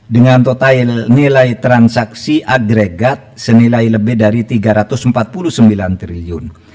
dengan total nilai transaksi agregat senilai lebih dari rp tiga ratus empat puluh sembilan triliun